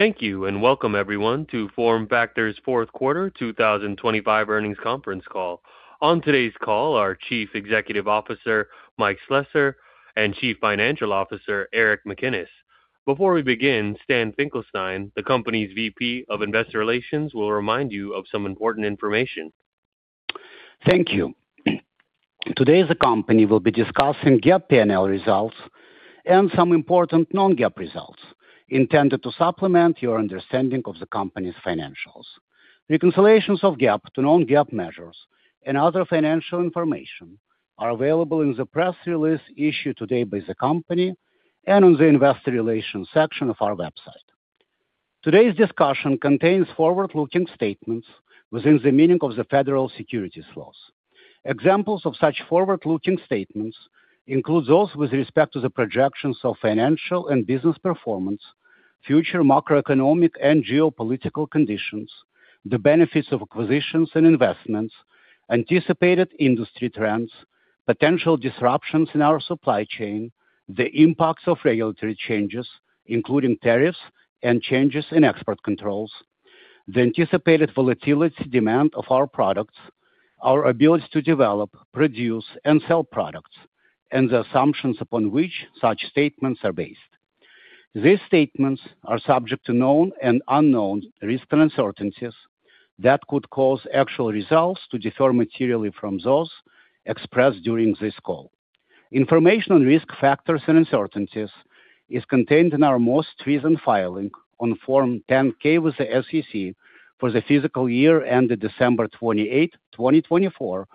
Thank you, and welcome everyone to FormFactor's fourth quarter 2025 earnings conference call. On today's call are Chief Executive Officer Mike Slessor and Chief Financial Officer Aric McKinnis. Before we begin, Stan Finkelstein, the company's VP of Investor Relations, will remind you of some important information. Thank you. Today, the company will be discussing GAAP P&L results and some important non-GAAP results intended to supplement your understanding of the company's financials. Reconciliations of GAAP to non-GAAP measures and other financial information are available in the press release issued today by the company and on the investor relations section of our website. Today's discussion contains forward-looking statements within the meaning of the federal securities laws. Examples of such forward-looking statements include those with respect to the projections of financial and business performance, future macroeconomic and geopolitical conditions, the benefits of acquisitions and investments, anticipated industry trends, potential disruptions in our supply chain, the impacts of regulatory changes, including tariffs and changes in export controls, the anticipated volatility demand of our products, our ability to develop, produce, and sell products, and the assumptions upon which such statements are based. These statements are subject to known and unknown risks and uncertainties that could cause actual results to differ materially from those expressed during this call. Information on risk factors and uncertainties is contained in our most recent filing on Form 10-K with the SEC for the fiscal year ended December 28, 2024,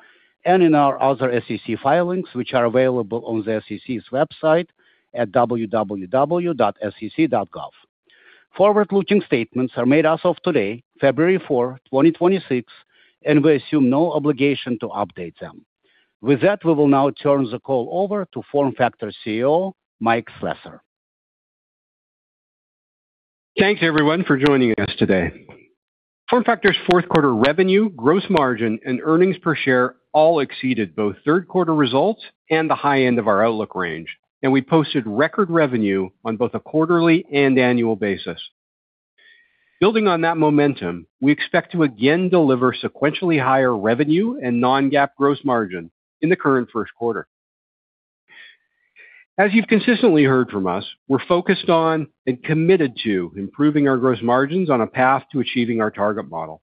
and in our other SEC filings, which are available on the SEC's website at www.sec.gov. Forward-looking statements are made as of today, February 4, 2026, and we assume no obligation to update them. With that, we will now turn the call over to FormFactor CEO, Mike Slessor. Thanks everyone for joining us today. FormFactor's fourth quarter revenue, gross margin, and earnings per share all exceeded both third quarter results and the high end of our outlook range, and we posted record revenue on both a quarterly and annual basis. Building on that momentum, we expect to again deliver sequentially higher revenue and non-GAAP gross margin in the current first quarter. As you've consistently heard from us, we're focused on and committed to improving our gross margins on a path to achieving our target model.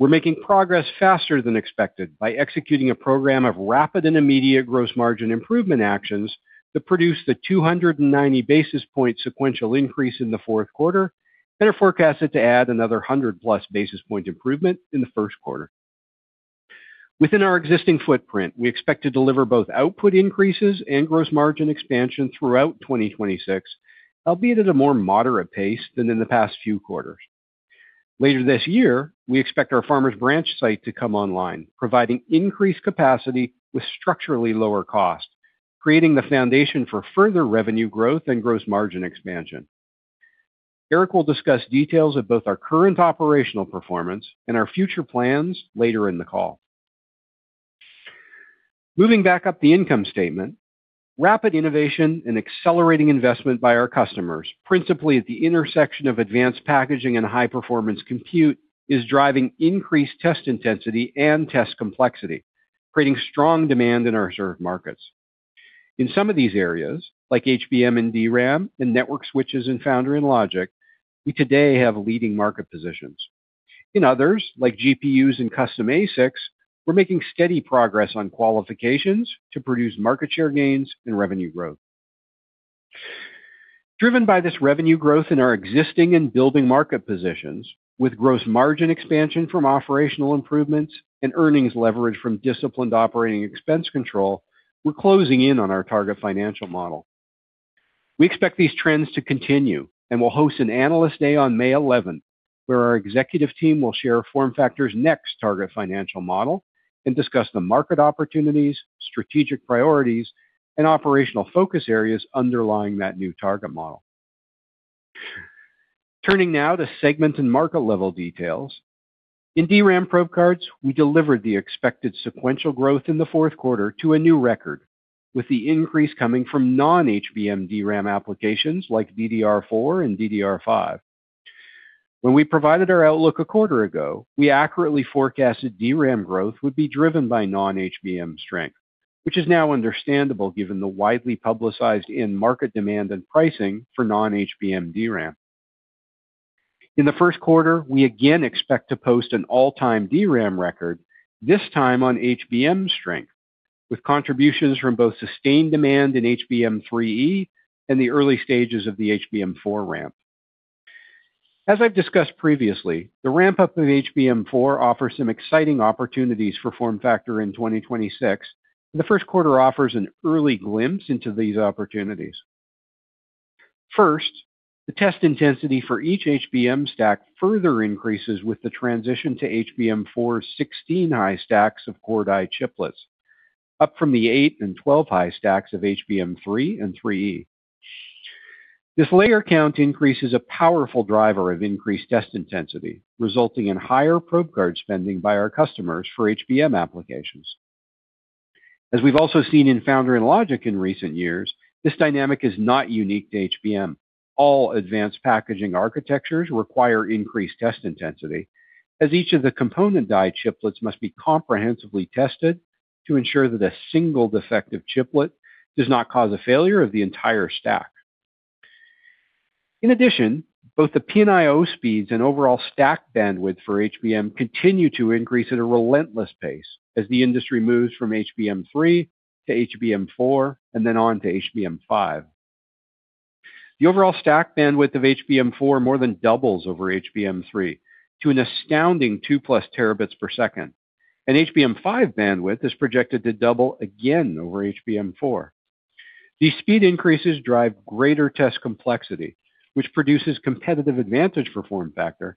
We're making progress faster than expected by executing a program of rapid and immediate gross margin improvement actions that produced a 290 basis point sequential increase in the fourth quarter and are forecasted to add another 100+ basis point improvement in the first quarter. Within our existing footprint, we expect to deliver both output increases and gross margin expansion throughout 2026, albeit at a more moderate pace than in the past few quarters. Later this year, we expect our Farmers Branch site to come online, providing increased capacity with structurally lower cost, creating the foundation for further revenue growth and gross margin expansion. Aric will discuss details of both our current operational performance and our future plans later in the call. Moving back up the income statement, rapid innovation and accelerating investment by our customers, principally at the intersection of advanced packaging and high-performance compute, is driving increased test intensity and test complexity, creating strong demand in our served markets. In some of these areas, like HBM and DRAM and network switches and foundry and logic, we today have leading market positions. In others, like GPUs and custom ASICs, we're making steady progress on qualifications to produce market share gains and revenue growth. Driven by this revenue growth in our existing and building market positions, with gross margin expansion from operational improvements and earnings leverage from disciplined operating expense control, we're closing in on our target financial model. We expect these trends to continue and will host an Analyst Day on May eleventh, where our executive team will share FormFactor's next target financial model and discuss the market opportunities, strategic priorities, and operational focus areas underlying that new target model. Turning now to segment and market level details. In DRAM probe cards, we delivered the expected sequential growth in the fourth quarter to a new record, with the increase coming from non-HBM DRAM applications like DDR4 and DDR5. When we provided our outlook a quarter ago, we accurately forecasted DRAM growth would be driven by non-HBM strength, which is now understandable given the widely publicized in-market demand and pricing for non-HBM DRAM. In the first quarter, we again expect to post an all-time DRAM record, this time on HBM strength, with contributions from both sustained demand in HBM3E and the early stages of the HBM4 ramp. As I've discussed previously, the ramp-up of HBM4 offers some exciting opportunities for FormFactor in 2026, and the first quarter offers an early glimpse into these opportunities. First, the test intensity for each HBM stack further increases with the transition to HBM4's 16-high stacks of core die chiplets, up from the 8- and 12-high stacks of HBM3 and 3E. This layer count increase is a powerful driver of increased test intensity, resulting in higher probe card spending by our customers for HBM applications. As we've also seen in foundry and logic in recent years, this dynamic is not unique to HBM. All advanced packaging architectures require increased test intensity, as each of the component die chiplets must be comprehensively tested to ensure that a single defective chiplet does not cause a failure of the entire stack. In addition, both the pin I/O speeds and overall stack bandwidth for HBM continue to increase at a relentless pace as the industry moves from HBM3 to HBM4 and then on to HBM5. The overall stack bandwidth of HBM4 more than doubles over HBM3 to an astounding 2+ Tb/s, and HBM5 bandwidth is projected to double again over HBM4. These speed increases drive greater test complexity, which produces competitive advantage for FormFactor,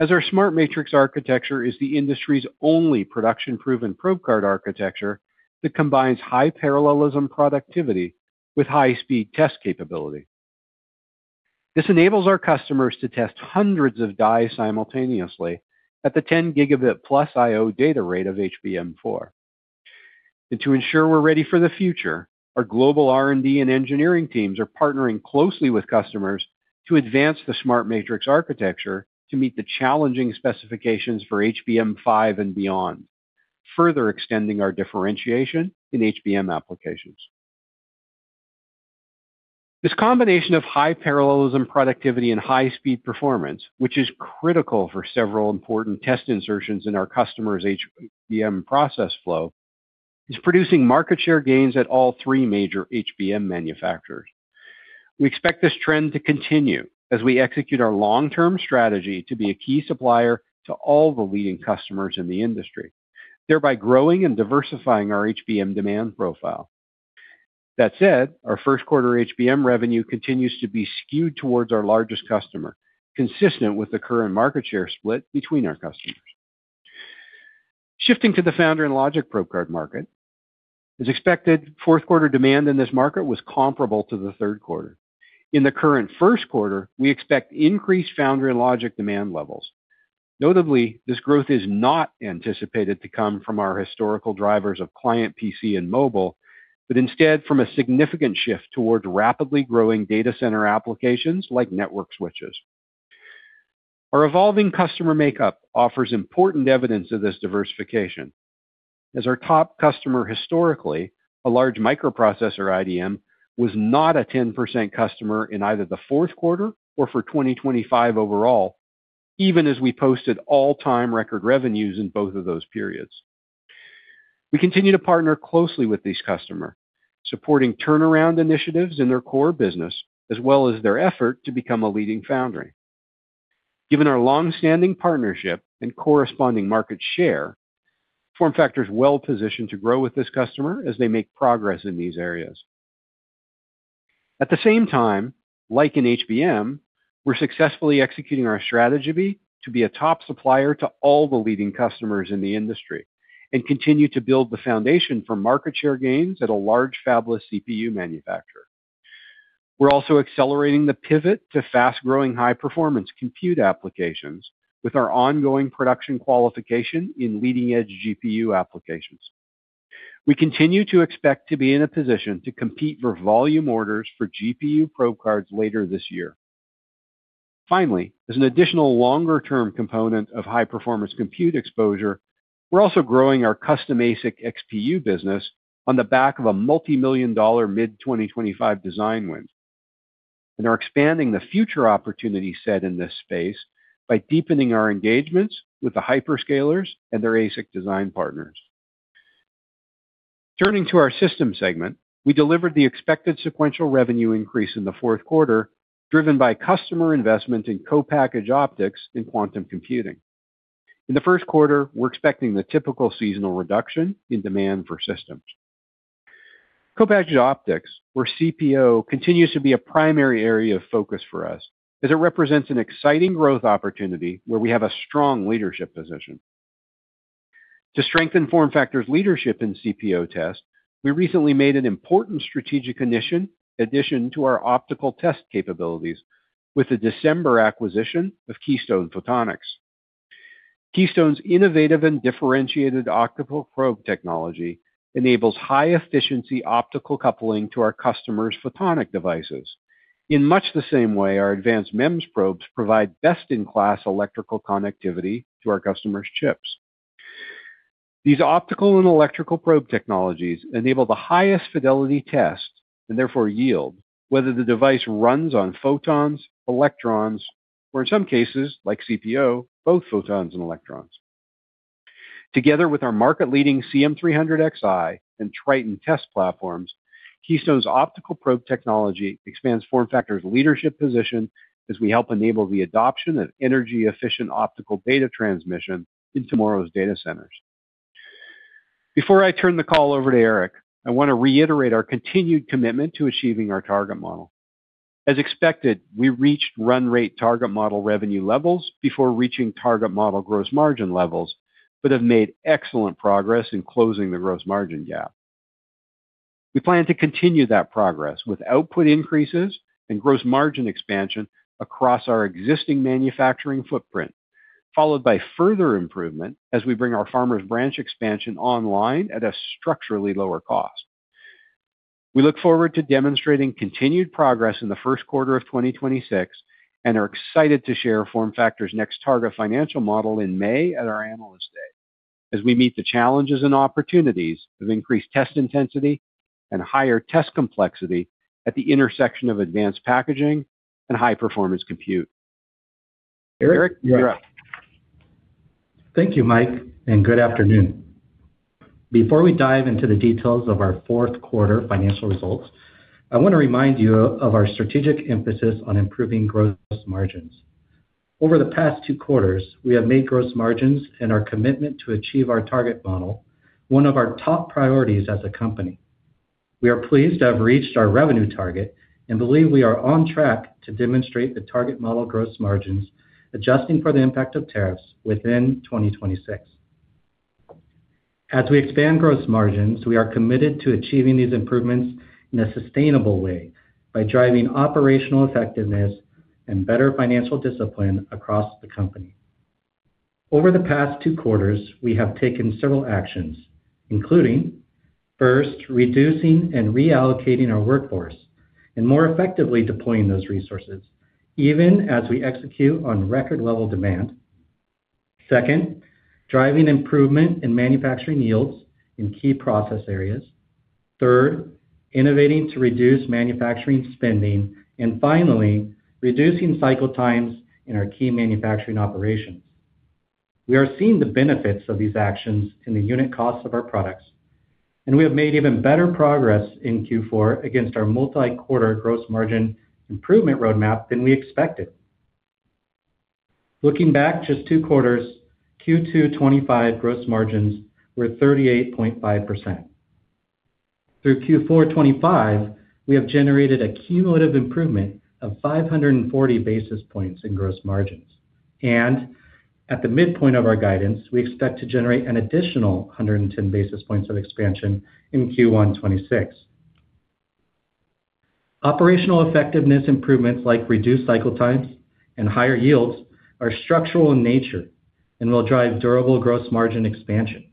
as our SmartMatrix architecture is the industry's only production-proven probe card architecture that combines high parallelism productivity with high-speed test capability. This enables our customers to test hundreds of die simultaneously at the 10 gigabit+ I/O data rate of HBM4. And to ensure we're ready for the future, our global R&D and engineering teams are partnering closely with customers to advance the SmartMatrix architecture to meet the challenging specifications for HBM5 and beyond, further extending our differentiation in HBM applications. This combination of high parallelism, productivity, and high-speed performance, which is critical for several important test insertions in our customers' HBM process flow, is producing market share gains at all three major HBM manufacturers. We expect this trend to continue as we execute our long-term strategy to be a key supplier to all the leading customers in the industry, thereby growing and diversifying our HBM demand profile. That said, our first quarter HBM revenue continues to be skewed towards our largest customer, consistent with the current market share split between our customers. Shifting to the foundry and logic probe card market, as expected, fourth quarter demand in this market was comparable to the third quarter. In the current first quarter, we expect increased foundry and logic demand levels. Notably, this growth is not anticipated to come from our historical drivers of client, PC, and mobile, but instead from a significant shift toward rapidly growing data center applications like network switches. Our evolving customer makeup offers important evidence of this diversification, as our top customer historically, a large microprocessor IDM, was not a 10% customer in either the fourth quarter or for 2025 overall, even as we posted all-time record revenues in both of those periods. We continue to partner closely with this customer, supporting turnaround initiatives in their core business, as well as their effort to become a leading foundry. Given our long-standing partnership and corresponding market share, FormFactor is well positioned to grow with this customer as they make progress in these areas. At the same time, like in HBM, we're successfully executing our strategy to be a top supplier to all the leading customers in the industry and continue to build the foundation for market share gains at a large fabless CPU manufacturer. We're also accelerating the pivot to fast-growing, high-performance compute applications with our ongoing production qualification in leading-edge GPU applications. We continue to expect to be in a position to compete for volume orders for GPU probe cards later this year. Finally, as an additional longer-term component of high-performance compute exposure, we're also growing our custom ASIC XPU business on the back of a multimillion-dollar mid-2025 design win and are expanding the future opportunity set in this space by deepening our engagements with the hyperscalers and their ASIC design partners. Turning to our systems segment, we delivered the expected sequential revenue increase in the fourth quarter, driven by customer investment in co-packaged optics and quantum computing. In the first quarter, we're expecting the typical seasonal reduction in demand for systems. Co-packaged optics, or CPO, continues to be a primary area of focus for us as it represents an exciting growth opportunity where we have a strong leadership position. To strengthen FormFactor's leadership in CPO test, we recently made an important strategic addition to our optical test capabilities with the December acquisition of Keystone Photonics. Keystone's innovative and differentiated optical probe technology enables high-efficiency optical coupling to our customers' photonic devices, in much the same way our advanced MEMS probes provide best-in-class electrical connectivity to our customers' chips. These optical and electrical probe technologies enable the highest fidelity test, and therefore yield, whether the device runs on photons, electrons, or in some cases, like CPO, both photons and electrons. Together with our market-leading CM300xi and Triton test platforms, Keystone's optical probe technology expands FormFactor's leadership position as we help enable the adoption of energy-efficient optical data transmission in tomorrow's data centers. Before I turn the call over to Shai, I want to reiterate our continued commitment to achieving our target model. As expected, we reached run rate target model revenue levels before reaching target model gross margin levels, but have made excellent progress in closing the gross margin gap…. We plan to continue that progress with output increases and gross margin expansion across our existing manufacturing footprint, followed by further improvement as we bring our Farmers Branch expansion online at a structurally lower cost. We look forward to demonstrating continued progress in the first quarter of 2026, and are excited to share FormFactor's next target financial model in May at our Analyst Day, as we meet the challenges and opportunities of increased test intensity and higher test complexity at the intersection of advanced packaging and high-performance compute. Aric, you're up. Thank you, Mike, and good afternoon. Before we dive into the details of our fourth quarter financial results, I want to remind you of our strategic emphasis on improving gross margins. Over the past two quarters, we have made gross margins and our commitment to achieve our target model, one of our top priorities as a company. We are pleased to have reached our revenue target and believe we are on track to demonstrate the target model gross margins, adjusting for the impact of tariffs within 2026. As we expand gross margins, we are committed to achieving these improvements in a sustainable way by driving operational effectiveness and better financial discipline across the company. Over the past two quarters, we have taken several actions, including, first, reducing and reallocating our workforce and more effectively deploying those resources even as we execute on record-level demand. Second, driving improvement in manufacturing yields in key process areas. Third, innovating to reduce manufacturing spending, and finally, reducing cycle times in our key manufacturing operations. We are seeing the benefits of these actions in the unit costs of our products, and we have made even better progress in Q4 2025 gross margins were 38.5%. Through Q4 2025, we have generated a cumulative improvement of 540 basis points in gross margins, and at the midpoint of our guidance, we expect to generate an additional 110 basis points of expansion in Q1 2026. Operational effectiveness improvements like reduced cycle times and higher yields are structural in nature and will drive durable gross margin expansion.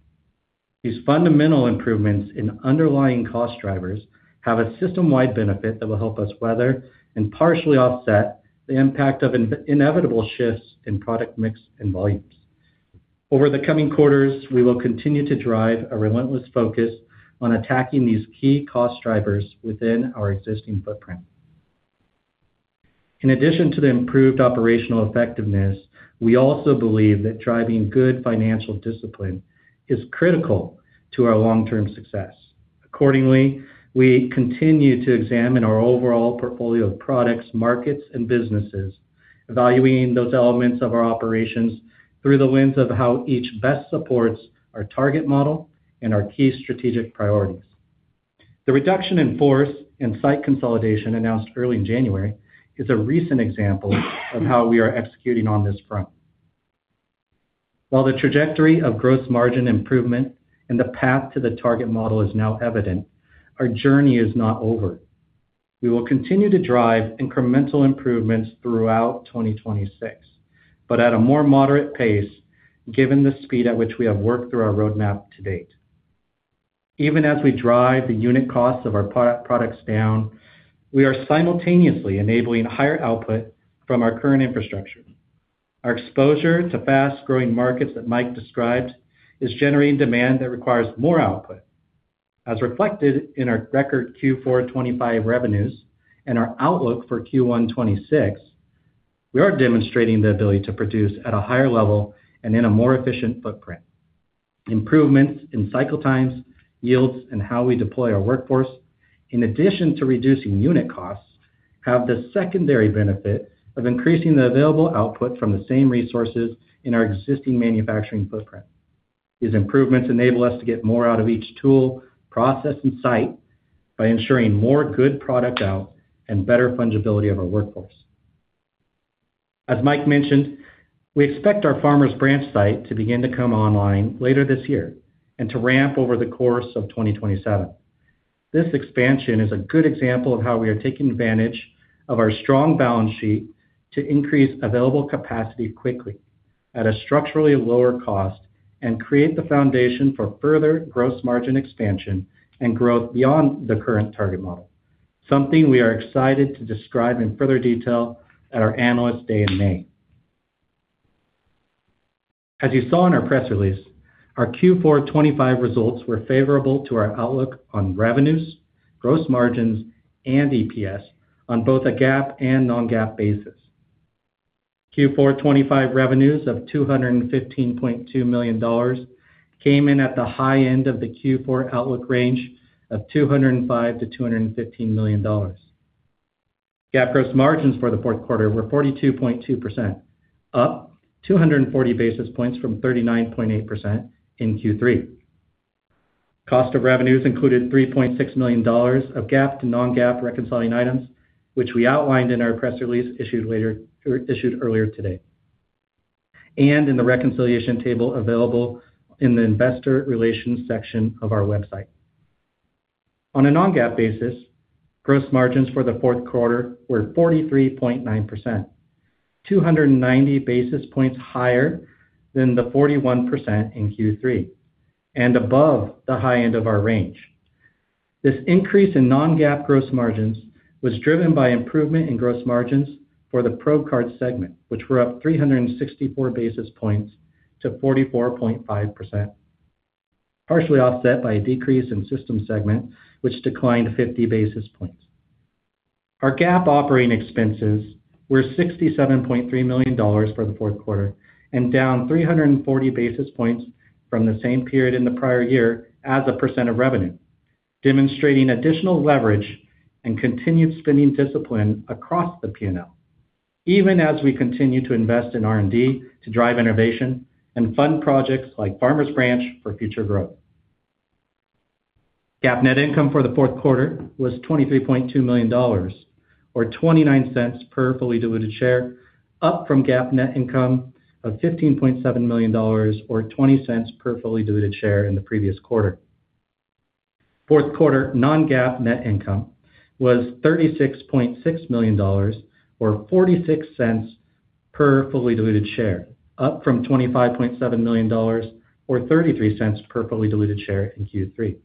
These fundamental improvements in underlying cost drivers have a system-wide benefit that will help us weather and partially offset the impact of inevitable shifts in product mix and volumes. Over the coming quarters, we will continue to drive a relentless focus on attacking these key cost drivers within our existing footprint. In addition to the improved operational effectiveness, we also believe that driving good financial discipline is critical to our long-term success. Accordingly, we continue to examine our overall portfolio of products, markets, and businesses, evaluating those elements of our operations through the lens of how each best supports our target model and our key strategic priorities. The reduction in force and site consolidation announced early in January is a recent example of how we are executing on this front. While the trajectory of gross margin improvement and the path to the target model is now evident, our journey is not over. We will continue to drive incremental improvements throughout 2026, but at a more moderate pace, given the speed at which we have worked through our roadmap to date. Even as we drive the unit costs of our probe products down, we are simultaneously enabling higher output from our current infrastructure. Our exposure to fast-growing markets that Mike described is generating demand that requires more output. As reflected in our record Q4 2025 revenues and our outlook for Q1 2026, we are demonstrating the ability to produce at a higher level and in a more efficient footprint. Improvements in cycle times, yields, and how we deploy our workforce, in addition to reducing unit costs, have the secondary benefit of increasing the available output from the same resources in our existing manufacturing footprint. These improvements enable us to get more out of each tool, process, and site by ensuring more good product out and better fungibility of our workforce. As Mike mentioned, we expect our Farmers Branch site to begin to come online later this year and to ramp over the course of 2027. This expansion is a good example of how we are taking advantage of our strong balance sheet to increase available capacity quickly at a structurally lower cost and create the foundation for further gross margin expansion and growth beyond the current target model, something we are excited to describe in further detail at our Analyst Day in May. As you saw in our press release, our Q4 2025 results were favorable to our outlook on revenues, gross margins, and EPS on both a GAAP and non-GAAP basis. Q4 2025 revenues of $215.2 million came in at the high end of the Q4 outlook range of $205 million-$215 million. GAAP gross margins for the fourth quarter were 42.2%, up 240 basis points from 39.8% in Q3. Cost of revenues included $3.6 million of GAAP to non-GAAP reconciling items, which we outlined in our press release, issued earlier today, and in the reconciliation table available in the investor relations section of our website. On a non-GAAP basis, gross margins for the fourth quarter were 43.9%, 290 basis points higher than the 41% in Q3 and above the high end of our range. This increase in non-GAAP gross margins was driven by improvement in gross margins for the probe card segment, which were up 364 basis points to 44.5%, partially offset by a decrease in system segment, which declined 50 basis points. Our GAAP operating expenses were $67.3 million for the fourth quarter and down 340 basis points from the same period in the prior year as a percent of revenue, demonstrating additional leverage and continued spending discipline across the P&L, even as we continue to invest in R&D to drive innovation and fund projects like Farmers Branch for future growth. GAAP net income for the fourth quarter was $23.2 million, or $0.29 per fully diluted share, up from GAAP net income of $15.7 million, or $0.20 per fully diluted share in the previous quarter. Fourth quarter non-GAAP net income was $36.6 million, or $0.46 per fully diluted share, up from $25.7 million, or $0.33 per fully diluted share in Q3.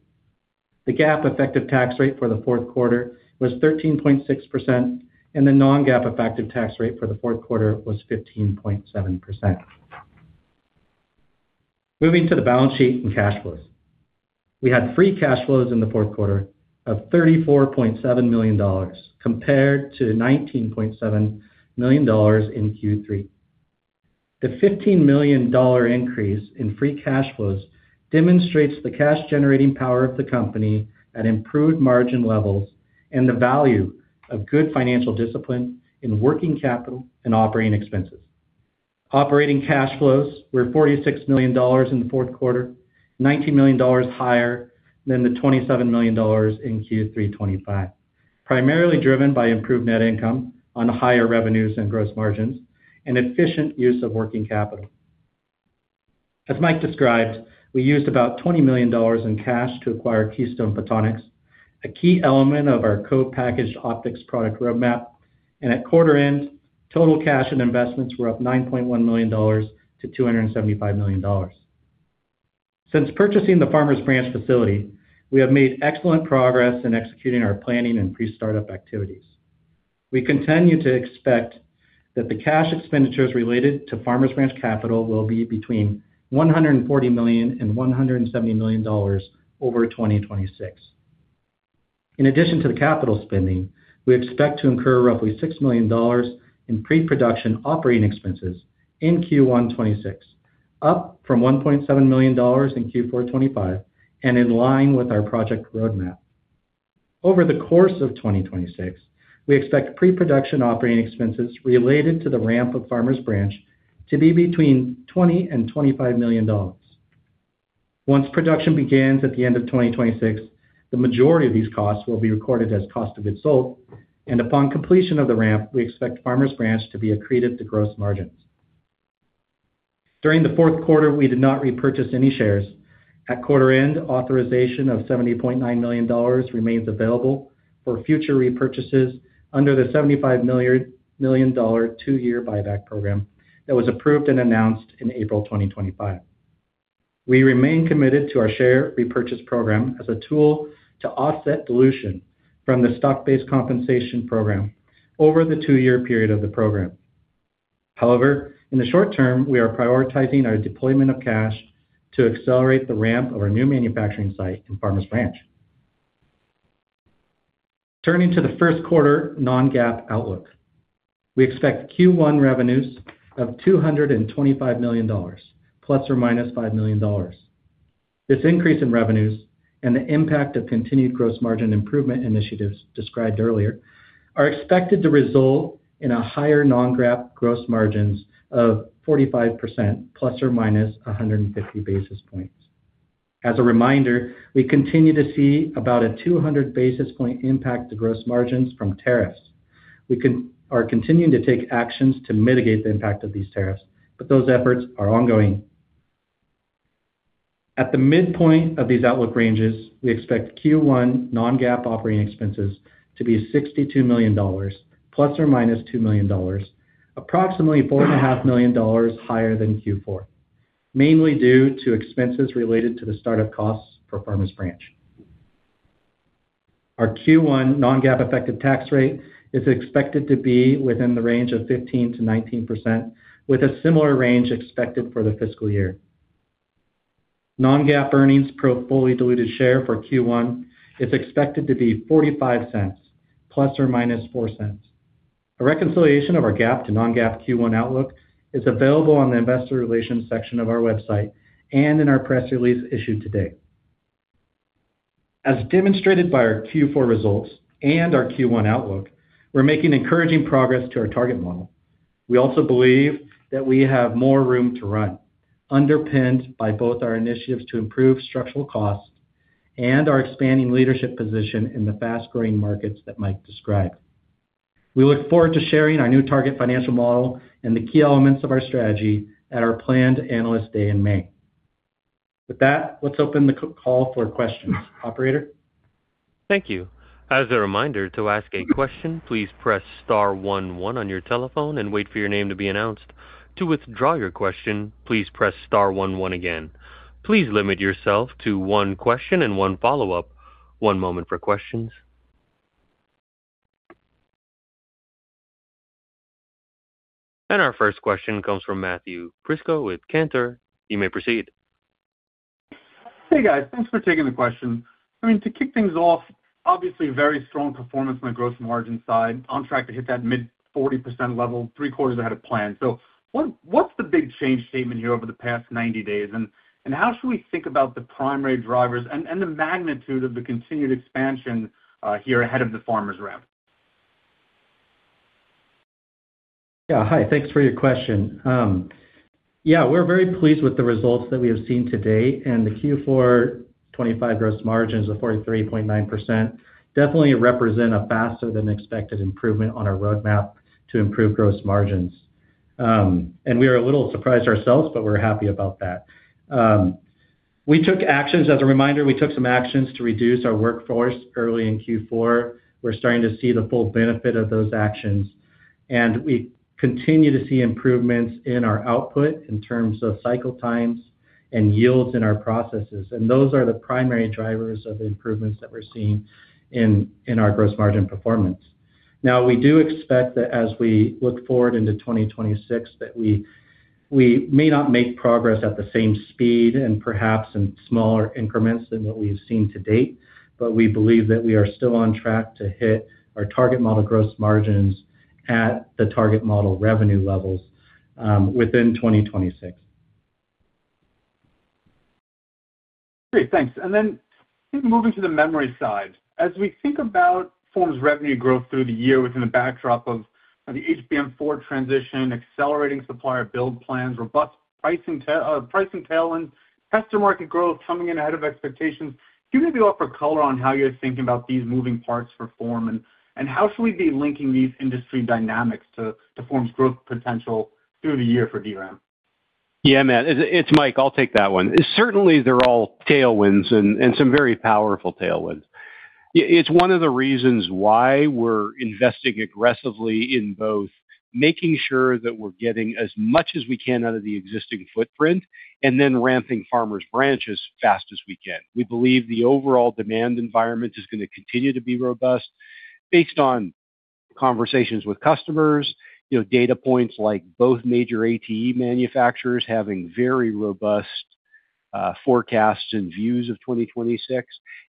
The GAAP effective tax rate for the fourth quarter was 13.6%, and the non-GAAP effective tax rate for the fourth quarter was 15.7%. Moving to the balance sheet and cash flows. We had free cash flows in the fourth quarter of $34.7 million compared to $19.7 million in Q3. The $15 million increase in free cash flows demonstrates the cash-generating power of the company at improved margin levels and the value of good financial discipline in working capital and operating expenses. Operating cash flows were $46 million in the fourth quarter, $19 million higher than the $27 million in Q3 2025, primarily driven by improved net income on higher revenues and gross margins and efficient use of working capital. As Mike described, we used about $20 million in cash to acquire Keystone Photonics, a key element of our co-packaged optics product roadmap, and at quarter end, total cash and investments were up $9.1 million to $275 million. Since purchasing the Farmers Branch facility, we have made excellent progress in executing our planning and pre-startup activities. We continue to expect that the cash expenditures related to Farmers Branch capital will be between $140 million and $170 million over 2026. In addition to the capital spending, we expect to incur roughly $6 million in pre-production operating expenses in Q1 2026, up from $1.7 million in Q4 2025 and in line with our project roadmap. Over the course of 2026, we expect pre-production operating expenses related to the ramp of Farmers Branch to be between $20 million and $25 million. Once production begins at the end of 2026, the majority of these costs will be recorded as cost of goods sold, and upon completion of the ramp, we expect Farmers Branch to be accretive to gross margins. During the fourth quarter, we did not repurchase any shares. At quarter end, authorization of $70.9 million remains available for future repurchases under the $75 million two-year buyback program that was approved and announced in April 2025. We remain committed to our share repurchase program as a tool to offset dilution from the stock-based compensation program over the two-year period of the program. However, in the short term, we are prioritizing our deployment of cash to accelerate the ramp of our new manufacturing site in Farmers Branch. Turning to the first quarter non-GAAP outlook. We expect Q1 revenues of $225 million ±$5 million. This increase in revenues and the impact of continued gross margin improvement initiatives described earlier are expected to result in a higher non-GAAP gross margins of 45% ±150 basis points. As a reminder, we continue to see about a 200 basis point impact to gross margins from tariffs. We are continuing to take actions to mitigate the impact of these tariffs, but those efforts are ongoing. At the midpoint of these outlook ranges, we expect Q1 non-GAAP operating expenses to be $62 million ±$2 million, approximately $4.5 million higher than Q4, mainly due to expenses related to the start of costs for Farmers Branch. Our Q1 non-GAAP effective tax rate is expected to be within the range of 15%-19%, with a similar range expected for the fiscal year. Non-GAAP earnings per fully diluted share for Q1 is expected to be $0.45 ±$0.04. A reconciliation of our GAAP to non-GAAP Q1 outlook is available on the investor relations section of our website and in our press release issued today. As demonstrated by our Q4 results and our Q1 outlook, we're making encouraging progress to our target model. We also believe that we have more room to run, underpinned by both our initiatives to improve structural costs and our expanding leadership position in the fast-growing markets that Mike described.... We look forward to sharing our new target financial model and the key elements of our strategy at our planned Analyst Day in May. With that, let's open the call for questions. Operator? Thank you. As a reminder, to ask a question, please press star one one on your telephone and wait for your name to be announced. To withdraw your question, please press star one one again. Please limit yourself to one question and one follow-up. One moment for questions. Our first question comes from Matthew Prisco with Cantor. You may proceed. Hey, guys. Thanks for taking the question. I mean, to kick things off, obviously, very strong performance on the gross margin side, on track to hit that mid-40% level, 3 quarters ahead of plan. So what's the big change statement here over the past 90 days? And how should we think about the primary drivers and the magnitude of the continued expansion here ahead of the Farmers Branch ramp? Yeah. Hi, thanks for your question. Yeah, we're very pleased with the results that we have seen to date, and the Q4 2025 gross margins of 43.9% definitely represent a faster than expected improvement on our roadmap to improve gross margins. And we are a little surprised ourselves, but we're happy about that. We took actions, as a reminder, we took some actions to reduce our workforce early in Q4. We're starting to see the full benefit of those actions, and we continue to see improvements in our output in terms of cycle times and yields in our processes, and those are the primary drivers of the improvements that we're seeing in our gross margin performance. Now, we do expect that as we look forward into 2026, that we may not make progress at the same speed and perhaps in smaller increments than what we've seen to date, but we believe that we are still on track to hit our target model gross margins at the target model revenue levels within 2026. Great, thanks. Then moving to the memory side. As we think about FormFactor's revenue growth through the year within the backdrop of the HBM4 transition, accelerating supplier build plans, robust pricing, price tailwinds, tester market growth coming in ahead of expectations, can you maybe offer color on how you're thinking about these moving parts for FormFactor? And how should we be linking these industry dynamics to FormFactor's growth potential through the year for DRAM? Yeah, Matt, it's Mike. I'll take that one. Certainly, they're all tailwinds and some very powerful tailwinds. It's one of the reasons why we're investing aggressively in both making sure that we're getting as much as we can out of the existing footprint, and then ramping Farmers Branch as fast as we can. We believe the overall demand environment is going to continue to be robust based on conversations with customers, you know, data points like both major ATE manufacturers having very robust forecasts and views of 2026,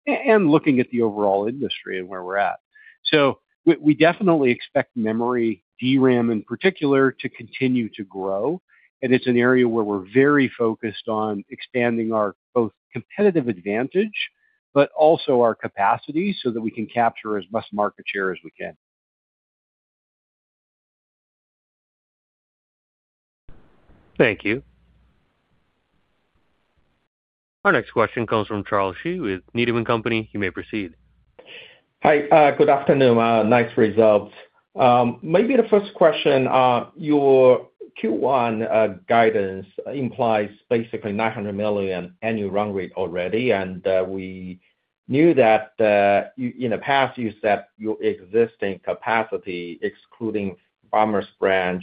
and looking at the overall industry and where we're at. So we definitely expect memory, DRAM in particular, to continue to grow, and it's an area where we're very focused on expanding our both competitive advantage, but also our capacity, so that we can capture as much market share as we can. Thank you. Our next question comes from Charles Shi with Needham & Company. You may proceed. Hi, good afternoon. Nice results. Maybe the first question, your Q1 guidance implies basically $900 million annual run rate already, and we knew that, in the past, you said your existing capacity, excluding Farmers Branch,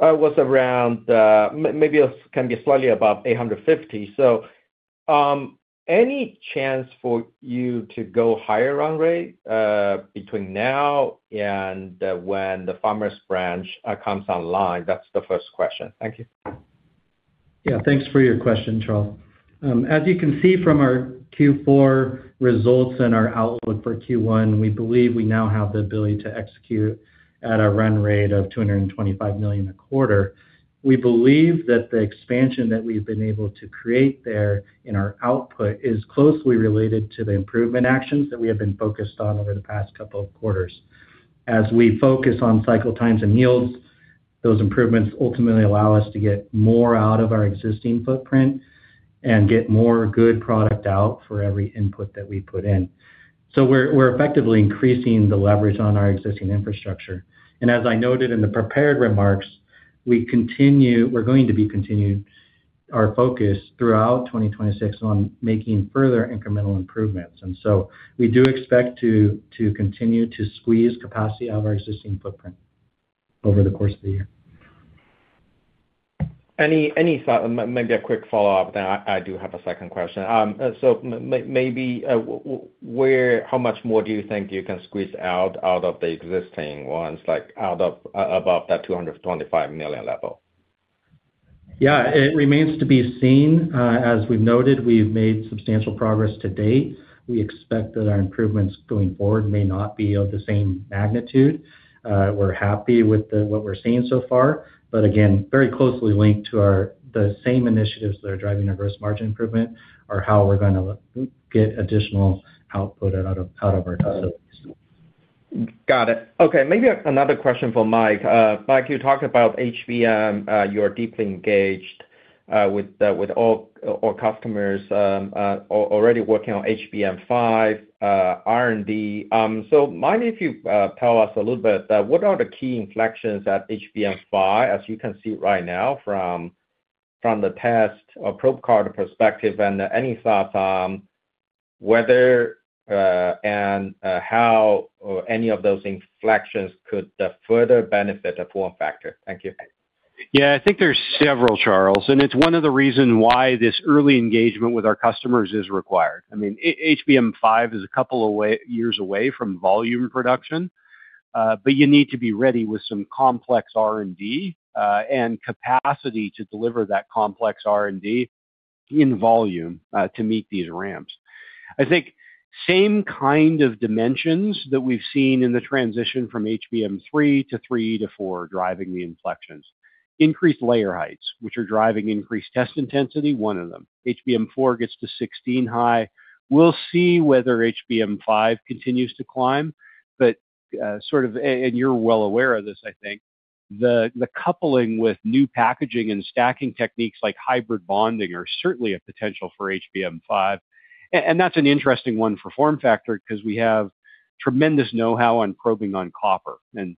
was around maybe slightly above 850. So, any chance for you to go higher run rate between now and when the Farmers Branch comes online? That's the first question. Thank you. Yeah, thanks for your question, Charles. As you can see from our Q4 results and our outlook for Q1, we believe we now have the ability to execute at a run rate of $225 million a quarter. We believe that the expansion that we've been able to create there in our output is closely related to the improvement actions that we have been focused on over the past couple of quarters. As we focus on cycle times and yields, those improvements ultimately allow us to get more out of our existing footprint and get more good product out for every input that we put in. So we're, we're effectively increasing the leverage on our existing infrastructure. And as I noted in the prepared remarks, we continue-- we're going to be continuing our focus throughout 2026 on making further incremental improvements. We do expect to continue to squeeze capacity out of our existing footprint over the course of the year. Any thought—maybe a quick follow-up, then I do have a second question. So maybe, where—how much more do you think you can squeeze out of the existing ones, like, out of above that $225 million level? Yeah, it remains to be seen. As we've noted, we've made substantial progress to date. We expect that our improvements going forward may not be of the same magnitude. We're happy with the what we're seeing so far, but again, very closely linked to our the same initiatives that are driving our gross margin improvement are how we're gonna get additional output out of our facilities. Got it. Okay, maybe another question for Mike. Mike, you talked about HBM, you are deeply engaged with all customers already working on HBM5 R&D. So mind if you tell us a little bit what are the key inflections at HBM5, as you can see right now from the test or probe card perspective, and any thoughts on whether and how or any of those inflections could further benefit FormFactor? Thank you. Yeah, I think there's several, Charles, and it's one of the reason why this early engagement with our customers is required. I mean, HBM5 is a couple years away from volume production, but you need to be ready with some complex R&D, and capacity to deliver that complex R&D in volume, to meet these ramps. I think same kind of dimensions that we've seen in the transition from HBM3 to HBM3E to HBM4 driving the inflections. Increased layer heights, which are driving increased test intensity, one of them. HBM4 gets to 16-high. We'll see whether HBM5 continues to climb, but, and you're well aware of this, I think, the coupling with new packaging and stacking techniques like hybrid bonding are certainly a potential for HBM5. And that's an interesting one for FormFactor 'cause we have tremendous know-how on probing on copper. And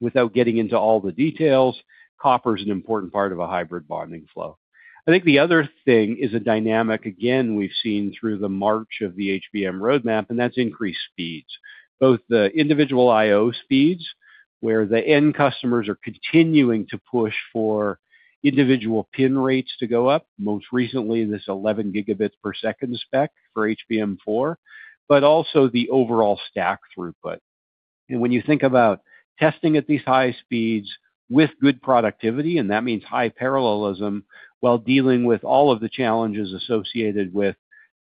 without getting into all the details, copper is an important part of a hybrid bonding flow. I think the other thing is a dynamic, again, we've seen through the march of the HBM roadmap, and that's increased speeds. Both the individual I/O speeds, where the end customers are continuing to push for individual pin rates to go up, most recently, this 11 Gbps spec for HBM4, but also the overall stack throughput. And when you think about testing at these high speeds with good productivity, and that means high parallelism, while dealing with all of the challenges associated with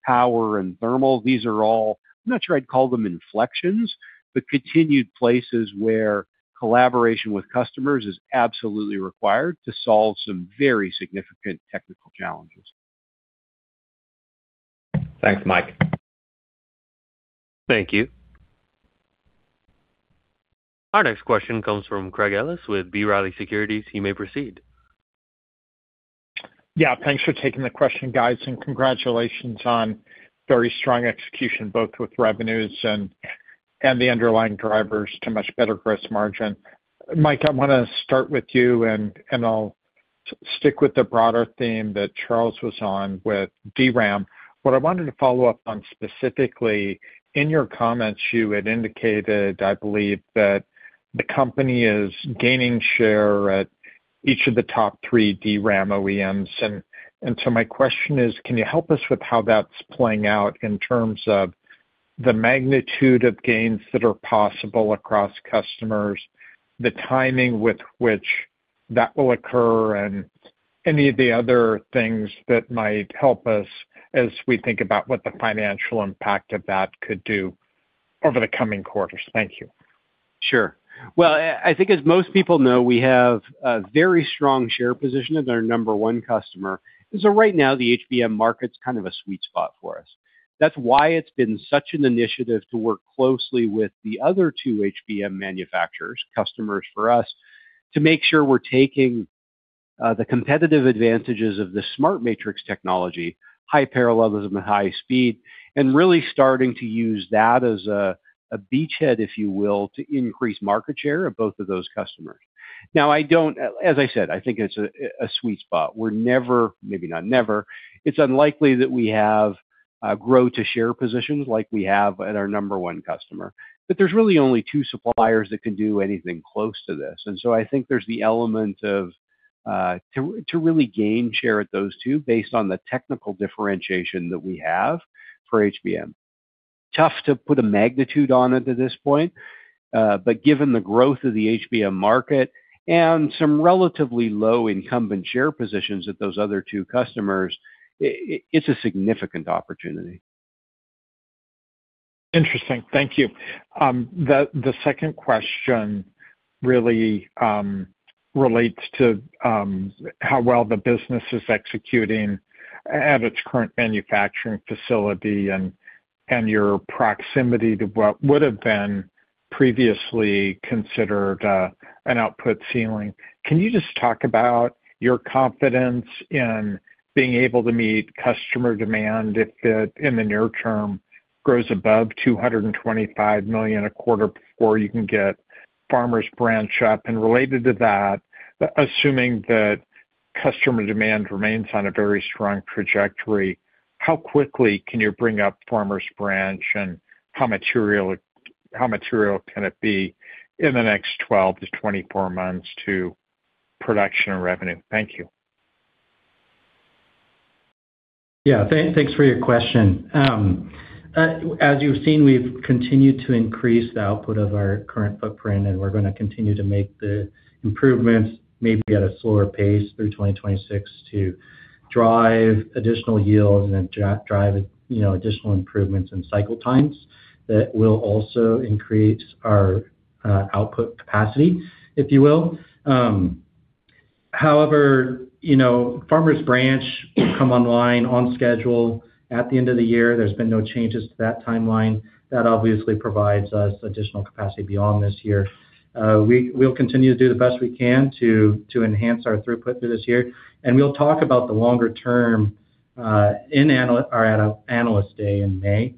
power and thermal, these are all, I'm not sure I'd call them inflections, but continued places where collaboration with customers is absolutely required to solve some very significant technical challenges. Thanks, Mike. Thank you. Our next question comes from Craig Ellis with B. Riley Securities. He may proceed. Yeah, thanks for taking the question, guys, and congratulations on very strong execution, both with revenues and, and the underlying drivers to much better gross margin. Mike, I wanna start with you, and, and I'll stick with the broader theme that Charles was on with DRAM. What I wanted to follow up on specifically, in your comments, you had indicated, I believe, that the company is gaining share at each of the top three DRAM OEMs. And, and so my question is, can you help us with how that's playing out in terms of the magnitude of gains that are possible across customers, the timing with which that will occur, and any of the other things that might help us as we think about what the financial impact of that could do over the coming quarters? Thank you. Sure. Well, I think as most people know, we have a very strong share position as our number one customer. And so right now, the HBM market's kind of a sweet spot for us. That's why it's been such an initiative to work closely with the other two HBM manufacturers, customers for us, to make sure we're taking the competitive advantages of the SmartMatrix technology, high parallelism and high speed, and really starting to use that as a beachhead, if you will, to increase market share of both of those customers. Now, as I said, I think it's a sweet spot. We're never, maybe not never, it's unlikely that we have grow to share positions like we have at our number one customer. But there's really only two suppliers that can do anything close to this. So I think there's the element of to really gain share at those two based on the technical differentiation that we have for HBM. Tough to put a magnitude on it at this point, but given the growth of the HBM market and some relatively low incumbent share positions at those other two customers, it's a significant opportunity. Interesting. Thank you. The second question really relates to how well the business is executing at its current manufacturing facility and your proximity to what would have been previously considered an output ceiling. Can you just talk about your confidence in being able to meet customer demand if it, in the near term, grows above $225 million a quarter before you can get Farmers Branch up? And related to that, assuming that customer demand remains on a very strong trajectory, how quickly can you bring up Farmers Branch, and how material can it be in the next 12-24 months to production and revenue? Thank you. Yeah, thanks for your question. As you've seen, we've continued to increase the output of our current footprint, and we're gonna continue to make the improvements, maybe at a slower pace through 2026, to drive additional yield and drive, you know, additional improvements in cycle times. That will also increase our output capacity, if you will. However, you know, Farmers Branch will come online on schedule at the end of the year. There's been no changes to that timeline. That obviously provides us additional capacity beyond this year. We'll continue to do the best we can to enhance our throughput through this year, and we'll talk about the longer term, or at a Analyst Day in May.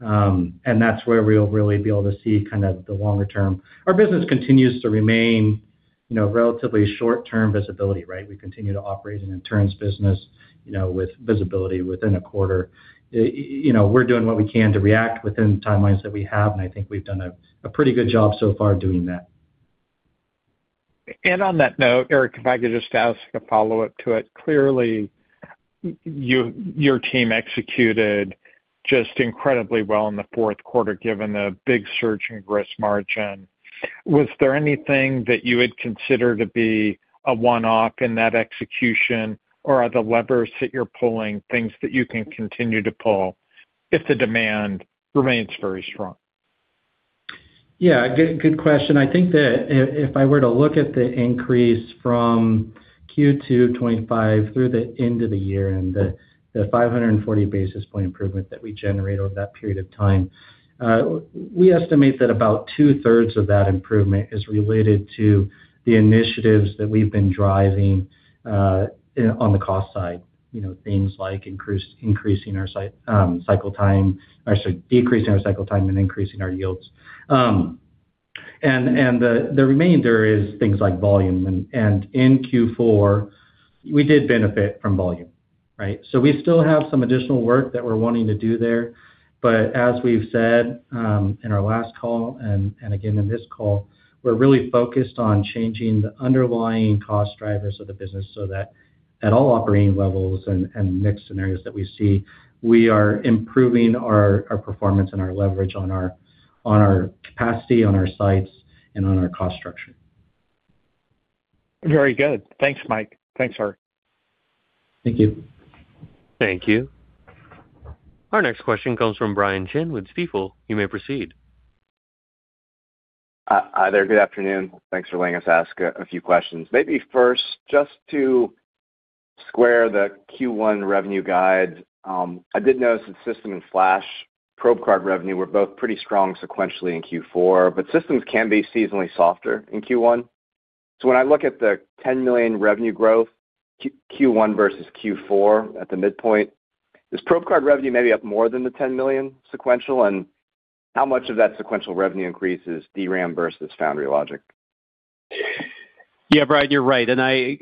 And that's where we'll really be able to see kind of the longer term. Our business continues to remain, you know, relatively short-term visibility, right? We continue to operate in an interims business, you know, with visibility within a quarter. You know, we're doing what we can to react within the timelines that we have, and I think we've done a pretty good job so far doing that. And on that note, Aric, if I could just ask a follow-up to it. Clearly, your team executed just incredibly well in the fourth quarter, given the big surge in gross margin. Was there anything that you would consider to be a one-off in that execution, or are the levers that you're pulling, things that you can continue to pull if the demand remains very strong? Yeah, good, good question. I think that if I were to look at the increase from Q2 2025 through the end of the year, and the 540 basis point improvement that we generated over that period of time, we estimate that about two-thirds of that improvement is related to the initiatives that we've been driving in on the cost side. You know, things like increasing our cycle time, or sorry, decreasing our cycle time and increasing our yields. And the remainder is things like volume, and in Q4, we did benefit from volume, right? So we still have some additional work that we're wanting to do there, but as we've said in our last call, and again in this call, we're really focused on changing the underlying cost drivers of the business, so that at all operating levels and mixed scenarios that we see, we are improving our performance and our leverage on our capacity, on our sites and on our cost structure. Very good. Thanks, Mike. Thanks, Aric. Thank you. Thank you. Our next question comes from Brian Chin with Stifel. You may proceed. Hi, hi there. Good afternoon. Thanks for letting us ask a few questions. Maybe first, just to square the Q1 revenue guide, I did notice that system and flash probe card revenue were both pretty strong sequentially in Q4, but systems can be seasonally softer in Q1. So when I look at the $10 million revenue growth, Q1 versus Q4 at the midpoint, is probe card revenue maybe up more than the $10 million sequential, and how much of that sequential revenue increase is DRAM versus foundry logic? Yeah, Brian, you're right, and I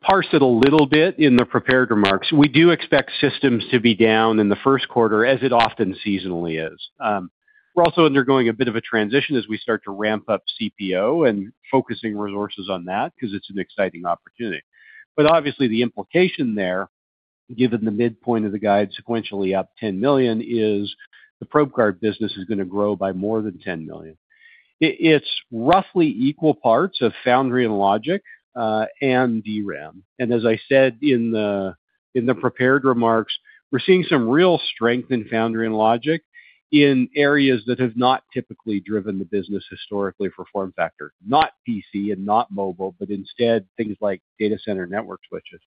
parsed it a little bit in the prepared remarks. We do expect systems to be down in the first quarter, as it often seasonally is. We're also undergoing a bit of a transition as we start to ramp up CPO and focusing resources on that, 'cause it's an exciting opportunity. But obviously, the implication there, given the midpoint of the guide sequentially up $10 million, is the probe card business is going to grow by more than $10 million. It's roughly equal parts of foundry and logic, and DRAM. And as I said in the prepared remarks, we're seeing some real strength in foundry and logic in areas that have not typically driven the business historically for FormFactor, not PC and not mobile, but instead things like data center network switches.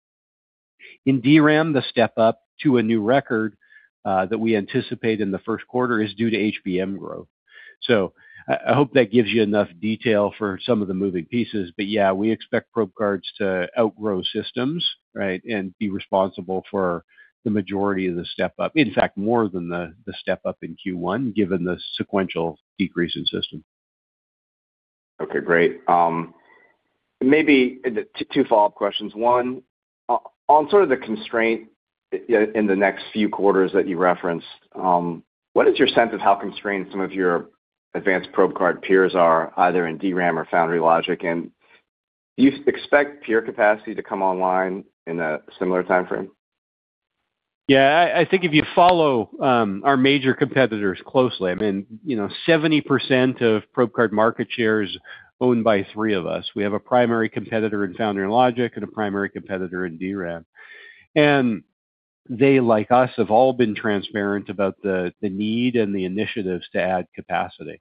In DRAM, the step up to a new record that we anticipate in the first quarter is due to HBM growth. So I hope that gives you enough detail for some of the moving pieces, but yeah, we expect probe cards to outgrow systems, right? And be responsible for the majority of the step up. In fact, more than the step up in Q1, given the sequential decrease in system. Okay, great. Maybe two follow-up questions. One, on sort of the constraint in the next few quarters that you referenced, what is your sense of how constrained some of your advanced probe card peers are, either in DRAM or foundry logic? And do you expect peer capacity to come online in a similar timeframe? Yeah, I think if you follow our major competitors closely, I mean, you know, 70% of probe card market share is owned by three of us. We have a primary competitor in foundry and logic and a primary competitor in DRAM, and they, like us, have all been transparent about the need and the initiatives to add capacity.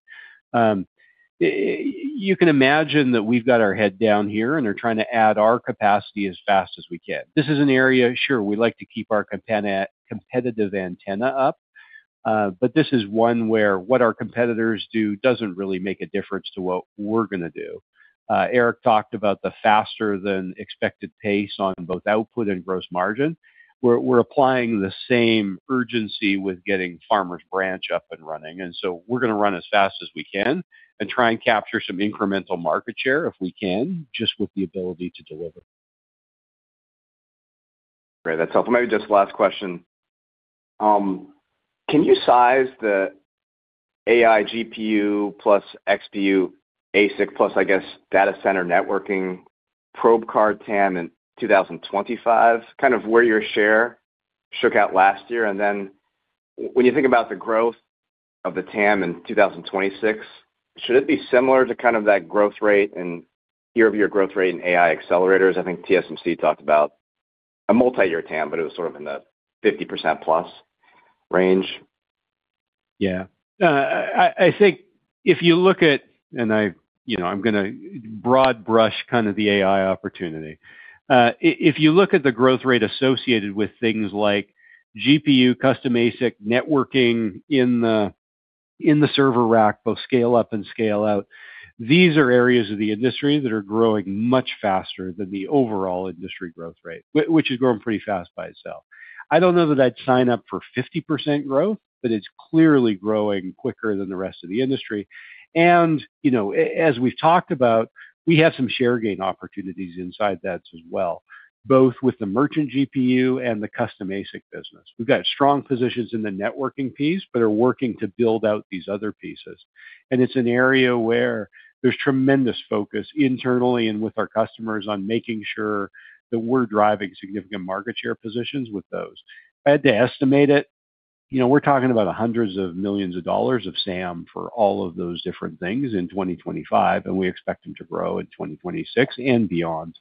You can imagine that we've got our head down here and are trying to add our capacity as fast as we can. This is an area, sure, we like to keep our competitive antenna up, but this is one where what our competitors do doesn't really make a difference to what we're going to do. Aric talked about the faster than expected pace on both output and gross margin. We're applying the same urgency with getting Farmers Branch up and running, and so we're going to run as fast as we can and try and capture some incremental market share, if we can, just with the ability to deliver. Great, that's helpful. Maybe just last question. Can you size the AI GPU plus XPU ASIC plus, I guess, data center networking probe card TAM in 2025, kind of where your share shook out last year? And then when you think about the growth of the TAM in 2026, should it be similar to kind of that growth rate and year-over-year growth rate in AI accelerators? I think TSMC talked about a multiyear TAM, but it was sort of in the 50%+ range. Yeah. I think if you look at... And I, you know, I'm gonna broad brush kind of the AI opportunity. If you look at the growth rate associated with things like GPU, custom ASIC, networking in the... in the server rack, both scale up and scale out, these are areas of the industry that are growing much faster than the overall industry growth rate, which is growing pretty fast by itself. I don't know that I'd sign up for 50% growth, but it's clearly growing quicker than the rest of the industry. And, you know, as we've talked about, we have some share gain opportunities inside that as well, both with the merchant GPU and the custom ASIC business. We've got strong positions in the networking piece, but are working to build out these other pieces. It's an area where there's tremendous focus internally and with our customers on making sure that we're driving significant market share positions with those. If I had to estimate it, you know, we're talking about hundreds of millions of dollars of SAM for all of those different things in 2025, and we expect them to grow in 2026 and beyond.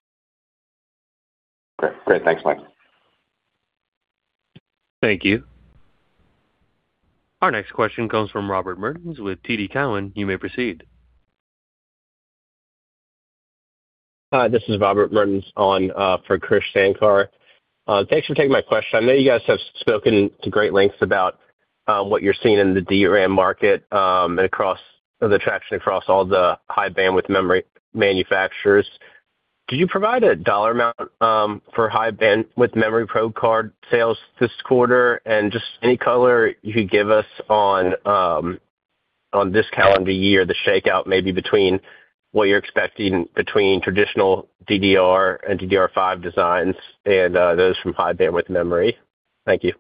Great. Great. Thanks, Mike. Thank you. Our next question comes from Robert Mertens with TD Cowen. You may proceed. Hi, this is Robert Mertens on for Krish Sankar. Thanks for taking my question. I know you guys have spoken to great lengths about what you're seeing in the DRAM market, and across the traction across all the high-bandwidth memory manufacturers. Could you provide a dollar amount for high-bandwidth memory probe card sales this quarter, and just any color you could give us on this calendar year, the shakeout maybe between what you're expecting between traditional DDR and DDR5 designs and those from high-bandwidth memory? Thank you.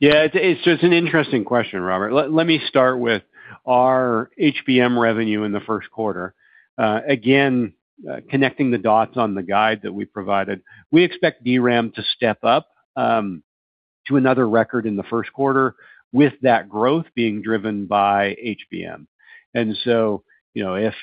Yeah, it's an interesting question, Robert. Let me start with our HBM revenue in the first quarter. Again, connecting the dots on the guide that we provided, we expect DRAM to step up to another record in the first quarter, with that growth being driven by HBM. And so, you know, if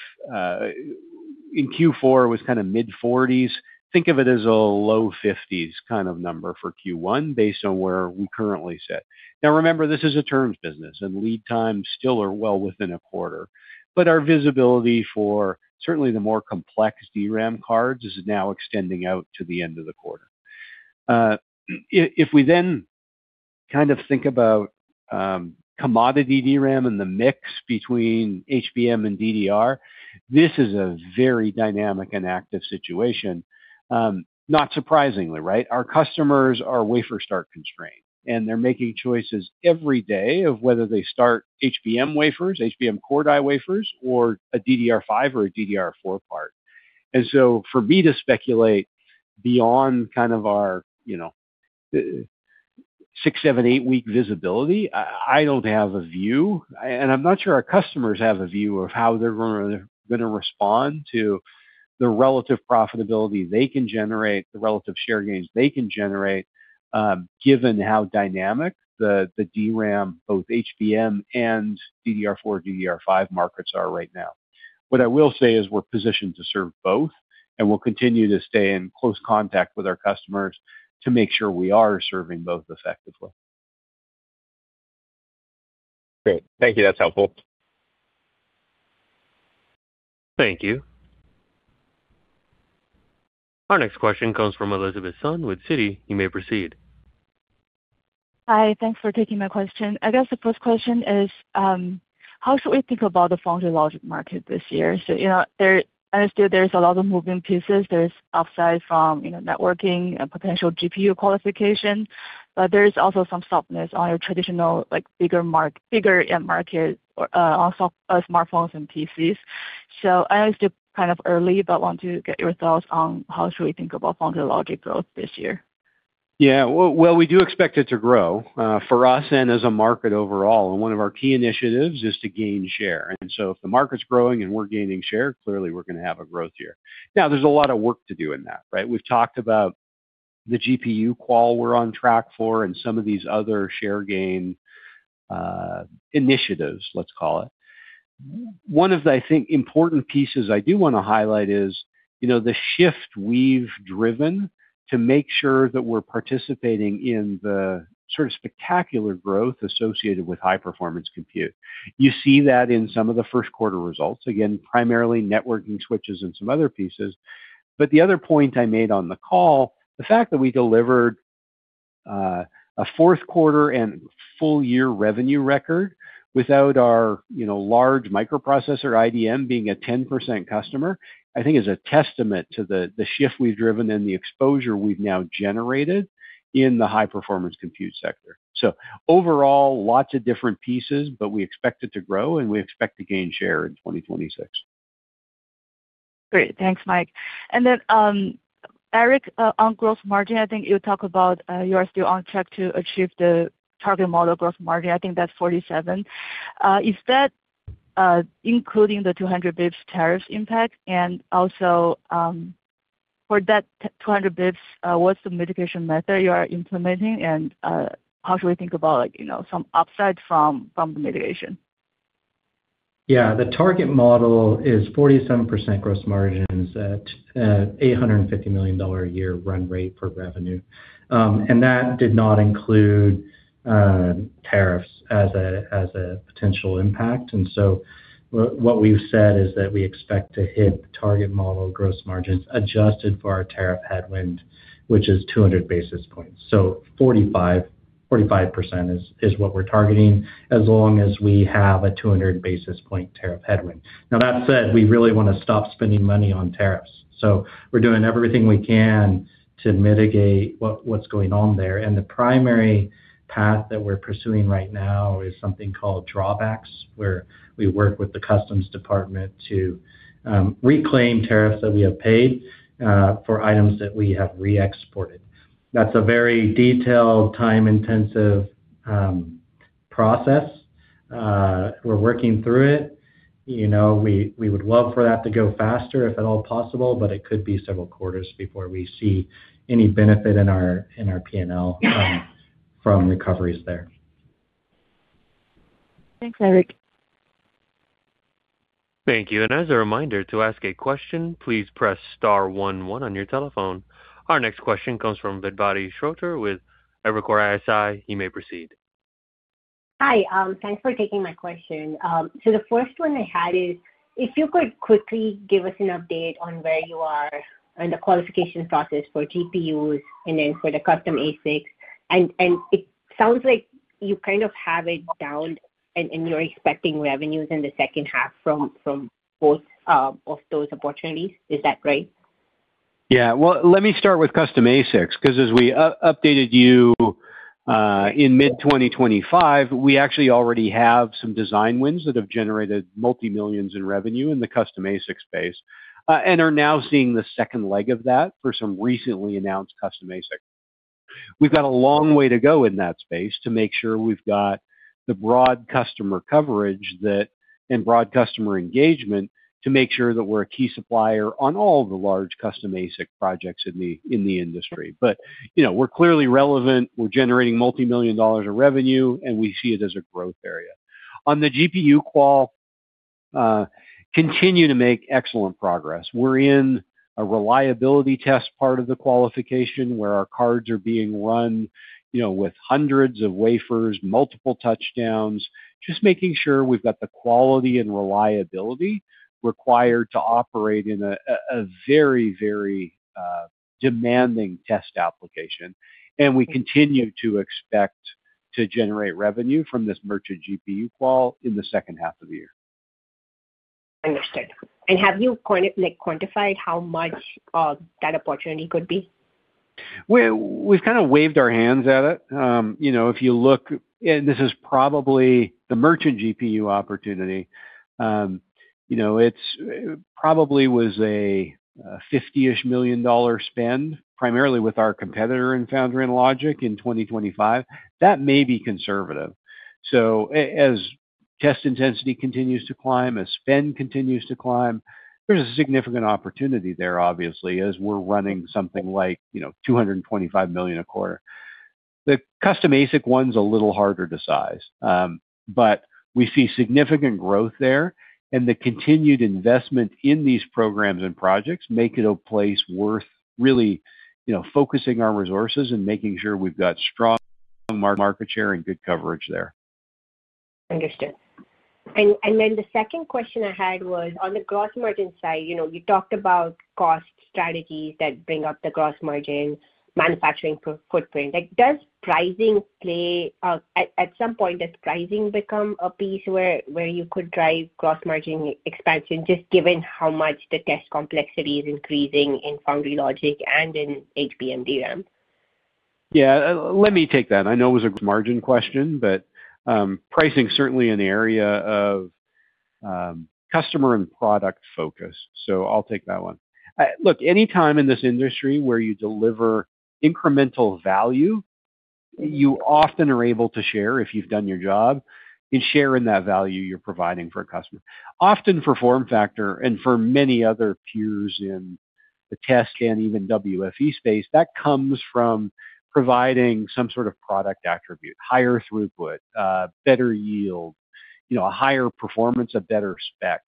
in Q4, it was kind of mid-40s, think of it as a low 50s kind of number for Q1, based on where we currently sit. Now, remember, this is a terms business, and lead times still are well within a quarter, but our visibility for certainly the more complex DRAM cards is now extending out to the end of the quarter. If we then kind of think about commodity DRAM and the mix between HBM and DDR, this is a very dynamic and active situation. Not surprisingly, right? Our customers are wafer start constrained, and they're making choices every day of whether they start HBM wafers, HBM core die wafers or a DDR5 or a DDR4 part. And so for me to speculate beyond kind of our, you know, 6-, 7-, 8-week visibility, I don't have a view, and I'm not sure our customers have a view of how they're gonna respond to the relative profitability they can generate, the relative share gains they can generate, given how dynamic the DRAM, both HBM and DDR4, DDR5 markets are right now. What I will say is we're positioned to serve both, and we'll continue to stay in close contact with our customers to make sure we are serving both effectively. Great. Thank you. That's helpful. Thank you. Our next question comes from Elizabeth Sun with Citi. You may proceed. Hi, thanks for taking my question. I guess the first question is, how should we think about the Foundry and Logic market this year? So, you know, there—I understand there's a lot of moving pieces. There's upside from, you know, networking and potential GPU qualification, but there is also some softness on your traditional, like, bigger end market, on, smartphones and PCs. So I know it's still kind of early, but want to get your thoughts on how should we think about Foundry and Logic growth this year? Yeah, well, well, we do expect it to grow for us and as a market overall, and one of our key initiatives is to gain share. And so if the market's growing and we're gaining share, clearly we're going to have a growth year. Now, there's a lot of work to do in that, right? We've talked about the GPU qual we're on track for and some of these other share gain initiatives, let's call it. One of the, I think, important pieces I do want to highlight is, you know, the shift we've driven to make sure that we're participating in the sort of spectacular growth associated with high-performance compute. You see that in some of the first quarter results. Again, primarily networking switches and some other pieces. The other point I made on the call, the fact that we delivered a fourth quarter and full year revenue record without our, you know, large microprocessor IDM being a 10% customer, I think is a testament to the shift we've driven and the exposure we've now generated in the high-performance compute sector. So overall, lots of different pieces, but we expect it to grow and we expect to gain share in 2026. Great. Thanks, Mike. And then, Aric, on gross margin, I think you talk about, you are still on track to achieve the target model gross margin. I think that's 47%. Is that, including the 200 basis points tariff impact? And also, for that 200 basis points, what's the mitigation method you are implementing? And, how should we think about, like, you know, some upside from, from the mitigation? Yeah, the target model is 47% gross margins at $850 million a year run rate per revenue. And that did not include tariffs as a potential impact. And so what we've said is that we expect to hit target model gross margins adjusted for our tariff headwind, which is 200 basis points. So 45% is what we're targeting, as long as we have a 200 basis point tariff headwind. Now, that said, we really want to stop spending money on tariffs, so we're doing everything we can to mitigate what's going on there. And the primary path that we're pursuing right now is something called drawbacks, where we work with the customs department to reclaim tariffs that we have paid for items that we have re-exported. That's a very detailed, time-intensive, process. We're working through it. You know, we, we would love for that to go faster, if at all possible, but it could be several quarters before we see any benefit in our, in our P&L, from recoveries there. Thanks, Aric. Thank you. As a reminder, to ask a question, please press star one one on your telephone. Our next question comes from Vedvati Shrotre with Evercore ISI. You may proceed. Hi, thanks for taking my question. So the first one I had is, if you could quickly give us an update on where you are in the qualification process for GPUs and then for the custom ASICs. And it sounds like you kind of have it down, and you're expecting revenues in the second half from both of those opportunities. Is that right? Yeah. Well, let me start with custom ASICs, 'cause as we updated you in mid-2025, we actually already have some design wins that have generated multimillions in revenue in the custom ASIC space, and are now seeing the second leg of that for some recently announced custom ASIC. We've got a long way to go in that space to make sure we've got the broad customer coverage that and broad customer engagement, to make sure that we're a key supplier on all the large custom ASIC projects in the industry. But, you know, we're clearly relevant. We're generating multimillion in revenue, and we see it as a growth area. On the GPU qual, continue to make excellent progress. We're in a reliability test part of the qualification, where our cards are being run, you know, with hundreds of wafers, multiple touchdowns, just making sure we've got the quality and reliability required to operate in a very, very demanding test application. And we continue to expect to generate revenue from this merchant GPU qual in the second half of the year. Understood. And have you quantified like how much that opportunity could be? We've kind of waved our hands at it. You know, if you look... And this is probably the merchant GPU opportunity. You know, it's probably was a $50-ish million spend, primarily with our competitor in foundry and logic in 2025. That may be conservative. So as test intensity continues to climb, as spend continues to climb, there's a significant opportunity there, obviously, as we're running something like, you know, $225 million a quarter. The custom ASIC one's a little harder to size, but we see significant growth there, and the continued investment in these programs and projects make it a place worth really, you know, focusing our resources and making sure we've got strong market share and good coverage there. Understood. And then the second question I had was on the gross margin side, you know, you talked about cost strategies that bring up the gross margin manufacturing footprint. Like, does pricing play a-- at some point, does pricing become a piece where you could drive gross margin expansion, just given how much the test complexity is increasing in foundry logic and in HBM DRAM? Yeah, let me take that. I know it was a margin question, but, pricing is certainly an area of, customer and product focus, so I'll take that one. Look, anytime in this industry where you deliver incremental value, you often are able to share, if you've done your job, you share in that value you're providing for a customer. Often for FormFactor and for many other peers in the test and even WFE space, that comes from providing some sort of product attribute, higher throughput, better yield, you know, a higher performance, a better spec.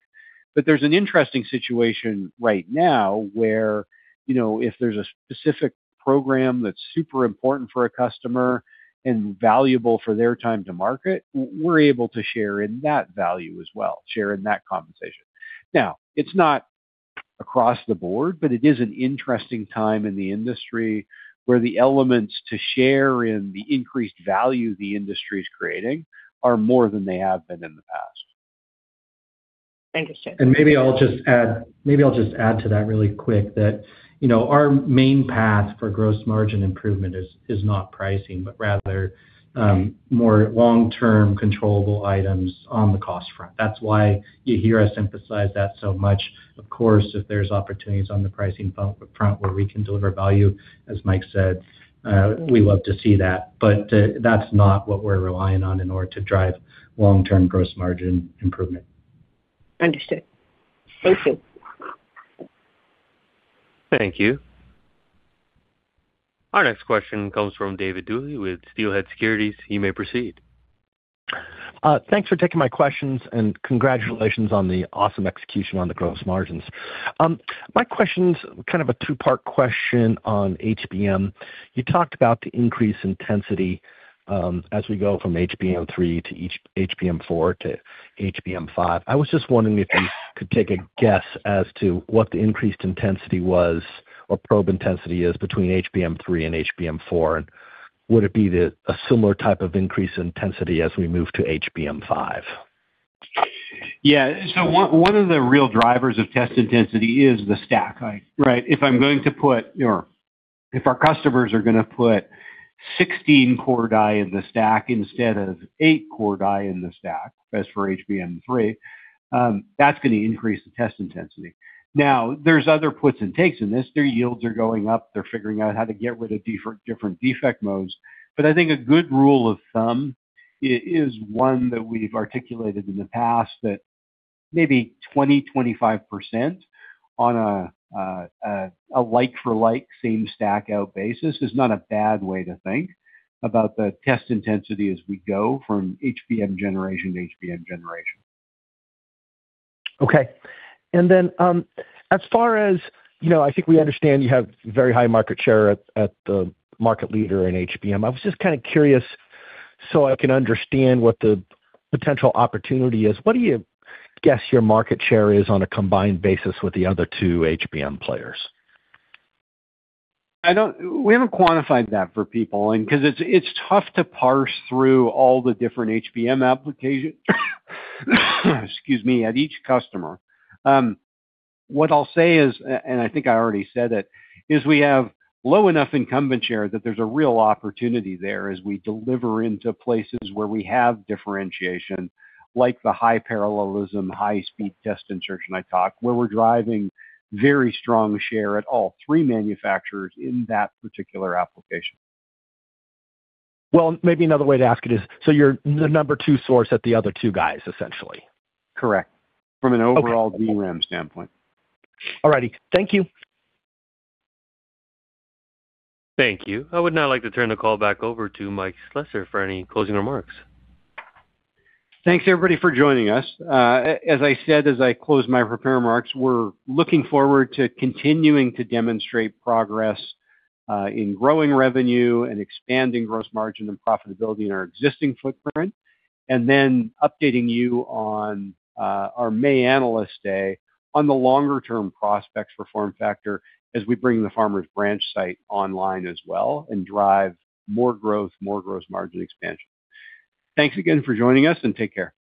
But there's an interesting situation right now where, you know, if there's a specific program that's super important for a customer and valuable for their time to market, we're able to share in that value as well, share in that compensation. Now, it's not across the board, but it is an interesting time in the industry, where the elements to share in the increased value the industry is creating are more than they have been in the past. Understood. And maybe I'll just add, maybe I'll just add to that really quick, that, you know, our main path for gross margin improvement is, is not pricing, but rather, more long-term controllable items on the cost front. That's why you hear us emphasize that so much. Of course, if there's opportunities on the pricing front, front where we can deliver value, as Mike said, we love to see that, but, that's not what we're relying on in order to drive long-term gross margin improvement. Understood. Thank you. Thank you. Our next question comes from David Duley with Steelhead Securities. You may proceed. Thanks for taking my questions, and congratulations on the awesome execution on the gross margins. My question is kind of a two-part question on HBM. You talked about the increased intensity as we go from HBM3 to HBM4 to HBM5. I was just wondering if you could take a guess as to what the increased intensity was, or probe intensity is between HBM3 and HBM4, and would it be a similar type of increase in intensity as we move to HBM5?... Yeah, so one of the real drivers of test intensity is the stack height, right? If I'm going to put, or if our customers are gonna put 16 core die in the stack instead of eight core die in the stack, as for HBM3, that's gonna increase the test intensity. Now, there's other puts and takes in this. Their yields are going up. They're figuring out how to get rid of different defect modes. But I think a good rule of thumb is one that we've articulated in the past, that maybe 20%-25% on a like for like, same stack height basis is not a bad way to think about the test intensity as we go from HBM generation to HBM generation. Okay. And then, as far as, you know, I think we understand you have very high market share at, at the market leader in HBM. I was just kind of curious, so I can understand what the potential opportunity is. What do you guess your market share is on a combined basis with the other two HBM players? We haven't quantified that for people, and 'cause it's tough to parse through all the different HBM application, excuse me, at each customer. What I'll say is, and I think I already said it, is we have low enough incumbent share that there's a real opportunity there as we deliver into places where we have differentiation, like the high parallelism, high-speed test insertion I talked, where we're driving very strong share at all three manufacturers in that particular application. Well, maybe another way to ask it is, so you're the number two source at the other two guys, essentially? Correct. Okay. From an overall DRAM standpoint. All righty. Thank you. Thank you. I would now like to turn the call back over to Mike Slessor for any closing remarks. Thanks, everybody, for joining us. As I said, as I close my prepared remarks, we're looking forward to continuing to demonstrate progress, in growing revenue and expanding gross margin and profitability in our existing footprint, and then updating you on, our May Analyst Day on the longer-term prospects for FormFactor as we bring the Farmers Branch site online as well and drive more growth, more gross margin expansion. Thanks again for joining us, and take care.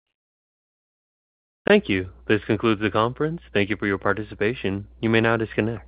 Thank you. This concludes the conference. Thank you for your participation. You may now disconnect.